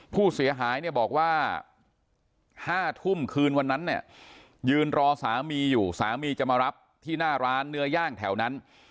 ผู้เสียหายเนี่ยบอกว่า๕ทุ่มคืนวันนั้นเนี่ยยืนรอสามีอยู่สามีจะมารับที่หน้าร้านเนื้อย่างแถวนั้น